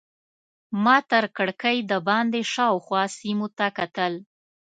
ما تر کړکۍ دباندې شاوخوا سیمو ته کتل.